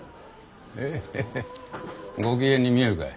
ええヘヘッご機嫌に見えるかい？